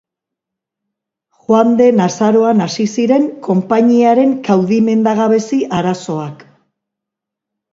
Joan den azaroan hasi ziren konpainiaren kaudimengabezi arazoak.